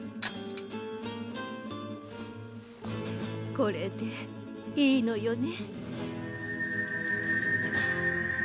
これでいいのよね？